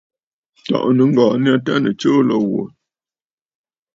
Tɔ̀ʼɔ̀tə̀ nɨŋgɔ̀ɔ̀ nyâ tâ nɨ̀ tsuu lǒ wò.